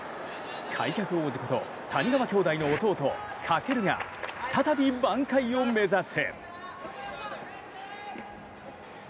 開脚王子こと、谷川兄弟の弟・翔が再び挽回を目指す。